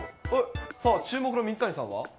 さあ、注目の水谷さんん？